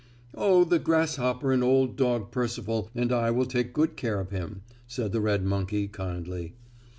"Oh, the grasshopper and Old Dog Percival and I will take good care of him," said the red monkey, kindly.